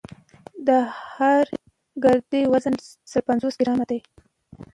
د هرې ګردې وزن سل پنځوس ګرامه دی.